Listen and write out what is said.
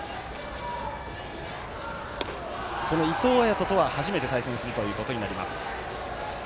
伊藤彩斗とは初めて対戦するということになります。